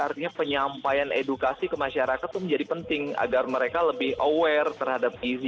artinya penyampaian edukasi ke masyarakat itu menjadi penting agar mereka lebih aware terhadap gizi